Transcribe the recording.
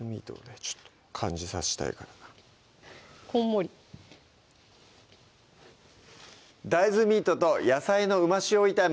ちょっと感じさせたいからこんもり「大豆ミートと野菜のうま塩炒め」